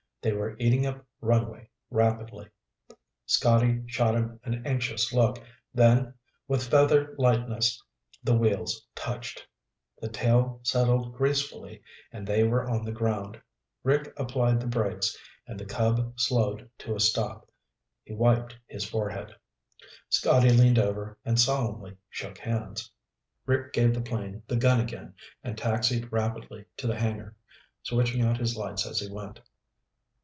They were eating up runway rapidly. Scotty shot him an anxious look. Then, with feather lightness, the wheels touched. The tail settled gracefully and they were on the ground. Rick applied the brakes and the Cub slowed to a stop. He wiped his forehead. Scotty leaned over and solemnly shook hands. Rick gave the plane the gun again and taxied rapidly to the hangar, switching out his lights as he went.